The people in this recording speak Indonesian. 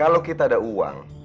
kalo kita ada uang